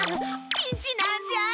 ピンチなんじゃ！